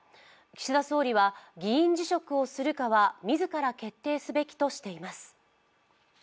岸田総理は、議員辞職をするかは自ら決定すべきとしています。